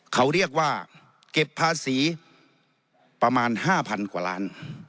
เขาเรียกว่าเก็บภาษีประมาณ๕๐๐กว่าล้าน